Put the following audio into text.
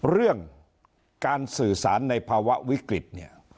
เรื่องการสื่อสารในภาวะวิกฤตเนี่ย